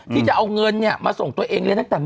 ที่จะเอาเงินมาส่งตัวเองเรียนตั้งแต่